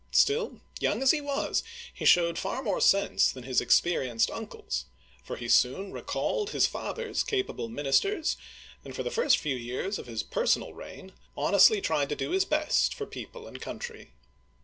Still, young as he was, he showed far more sense than his experienced uncles, for he soon re called his father's capable ministers, and for the first few years of his personal reign honestly tried to do his best for people and country.